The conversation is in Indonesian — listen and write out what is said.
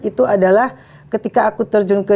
itu adalah ketika aku terjun ke